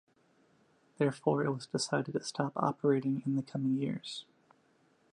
Therefore it was decided to stop operating in the coming years.